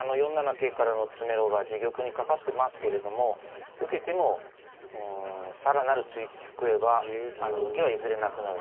桂からの詰めろが自玉にかかってますけれども受けても更なる追撃来ればあの受けはいずれなくなる。